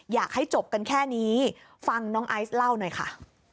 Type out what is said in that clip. อยากให้จบกันแค่นี้ฟังน้องไอซ์เล่าหน่อยค่ะ